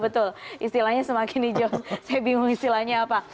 betul istilahnya semakin hijau saya bingung istilahnya apa